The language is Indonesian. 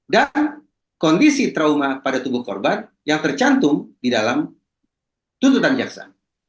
dan kondisi trauma pada tubuh korban yang tercantum di dalam tuntutan jaksa